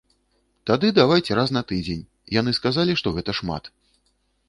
Тады давайце раз на тыдзень, яны сказалі, што гэта шмат.